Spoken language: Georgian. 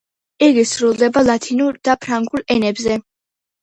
იგი სრულდება ლათინურ და ფრანგულ ენებზე.